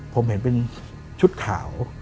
ผมเห็นเป็นชุดขาว